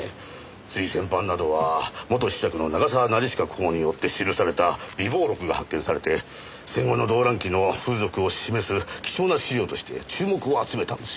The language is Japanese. つい先般などは元子爵の永沢成親公によって記された備忘録が発見されて戦後の動乱期の風俗を示す貴重な資料として注目を集めたんですよ。